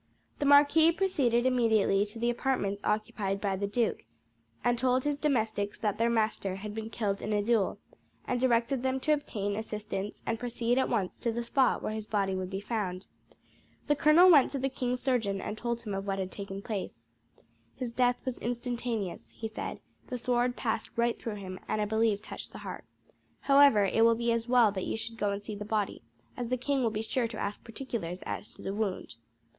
The marquis proceeded immediately to the apartments occupied by the duke, and told his domestics that their master had been killed in a duel, and directed them to obtain assistance and proceed at once to the spot where his body would be found. The colonel went to the king's surgeon, and told him of what had taken place. "His death was instantaneous," he said; "the sword passed right through him, and I believe touched the heart. However, it will be as well that you should go and see the body, as the king will be sure to ask particulars as to the wound."